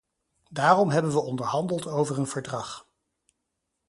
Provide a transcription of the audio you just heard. Daarom hebben we onderhandeld over een verdrag.